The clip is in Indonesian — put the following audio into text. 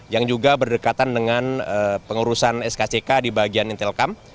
yang juga berdekatan dengan pengurusan skck di bagian intelcam